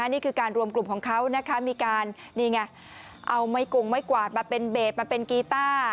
นี่คือการรวมกลุ่มของเขานะคะมีการนี่ไงเอาไม้กงไม้กวาดมาเป็นเบสมาเป็นกีต้า